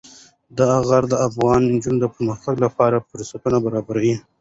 دا غر د افغان نجونو د پرمختګ لپاره فرصتونه برابروي.